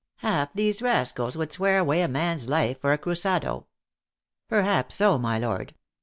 Half these rascals would swear away a man s life for a crusado" "Perhaps so, my lord.